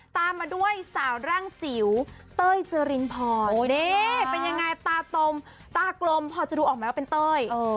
ตามมาด้วยสาวร่างจิ๋วเต้ยเจรินพรนี่เป็นยังไงตาตมตากลมพอจะดูออกไหมว่าเป็นเต้ย